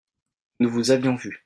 Nous vous avions vu.